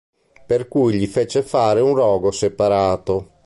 Per cui gli fece fare un rogo separato.